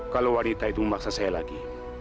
kalau wanita itu memaksa saya lagi